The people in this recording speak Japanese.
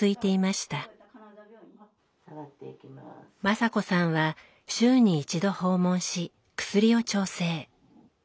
雅子さんは週に１度訪問し薬を調整。